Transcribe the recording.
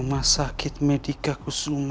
rumah sakit medikaku semua